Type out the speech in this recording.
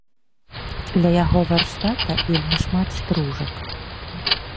Ля яго варштата вельмі шмат стружак.